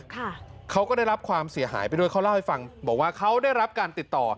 เขาก็ได้รับความเสียหายไปด้วยเขาเล่าให้ฟังบอกว่าเขาได้รับการติดต่อ